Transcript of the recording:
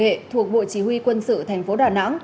thủ tướng nghệ thuộc bộ chỉ huy quân sự tp đà nẵng